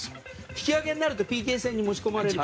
引き分けになるとＰＫ戦に持ち込まれるの。